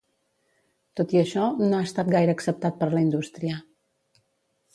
Tot i això, no ha estat gaire acceptat per la indústria.